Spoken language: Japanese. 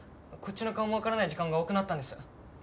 こっちの顔もわからない時間が多くなったんです。